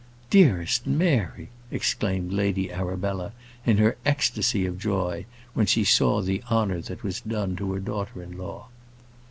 "Dearest Mary!" exclaimed Lady Arabella, in her ecstasy of joy, when she saw the honour that was done to her daughter in law.